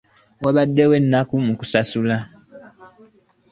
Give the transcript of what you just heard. Wabaddewo enkalu mu kusasula.